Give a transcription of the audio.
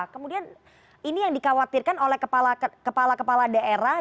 kemudian ini yang dikhawatirkan oleh kepala kepala daerah